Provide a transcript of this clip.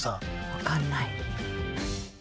分かんない。